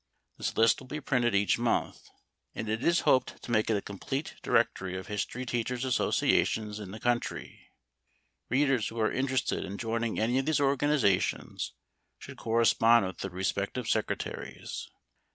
This list will be printed each month; and it is hoped to make it a complete directory of history teachers' associations in the country. Readers who are interested in joining any of these organizations should correspond with the respective secretaries.